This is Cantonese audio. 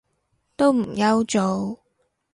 都唔憂做